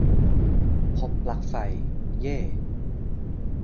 พบปลั๊กไฟ! เย่!